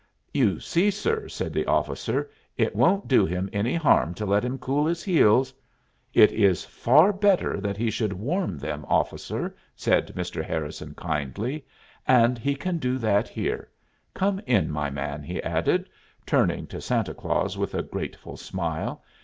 "You see, sir," said the officer, "it won't do him any harm to let him cool his heels " "It is far better that he should warm them, officer," said Mr. Harrison kindly. "And he can do that here. Come in, my man," he added, turning to Santa Claus with a grateful smile.